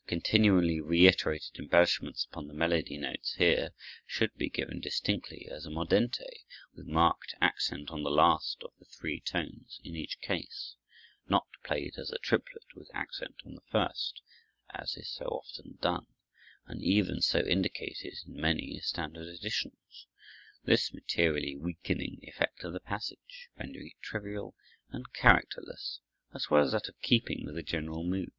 The continually reiterated embellishments upon the melody notes here should be given distinctly as a mordente, with marked accent on the last of the three tones in every case, not played as a triplet with accent on the first, as is so often done, and even so indicated in many standard editions, thus materially weakening the effect of the passage, rendering it trivial and characterless as well as out of keeping with the general mood.